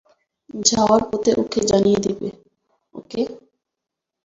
যাওয়ার পথে ওকে জানিয়ে দিবো, ওকে?